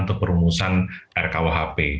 untuk perumusan rkuhp